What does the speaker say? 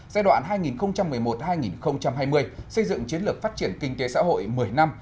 giai đoạn hai nghìn một mươi một hai nghìn hai mươi xây dựng chiến lược phát triển kinh tế xã hội một mươi năm